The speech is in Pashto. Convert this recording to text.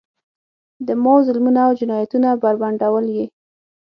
د ماوو ظلمونه او جنایتونه بربنډول یې.